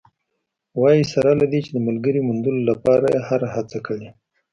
وايي، سره له دې چې د ملګرې موندلو لپاره یې هره هڅه کړې